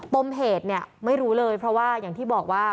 ปมเหตุเนี่ยไม่รู้เลยเพราะว่าอย่างที่บอกว่า